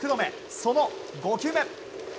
その５球目。